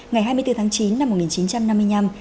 ngày hai mươi bốn tháng chín năm một nghìn chín trăm năm mươi năm